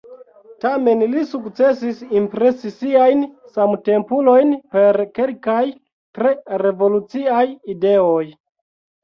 Tamen li sukcesis impresi siajn samtempulojn per kelkaj tre revoluciaj ideoj.